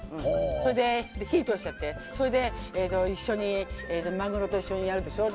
それで火を通しちゃってそれでマグロと一緒にやるでしょ。